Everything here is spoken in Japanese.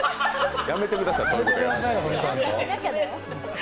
やめてください、そういうことやるの。